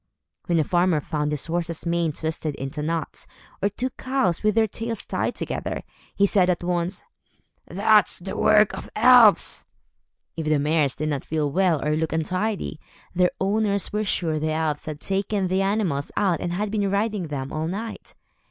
When a farmer found his horse's mane twisted into knots, or two cows with their tails tied together, he said at once, "That's the work of elves." If the mares did not feel well, or looked untidy, their owners were sure the elves had taken the animals out and had been riding them all night.